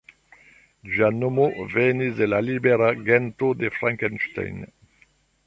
Ĝia nomo venis de la libera gento „de Frankenstein“.